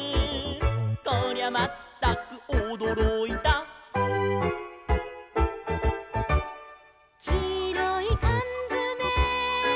「こりゃまったくおどろいた」「きいろいかんづめ」